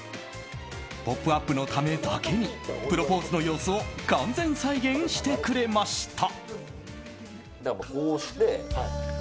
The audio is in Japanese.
「ポップＵＰ！」のためだけにプロポーズの様子を完全再現してくれました。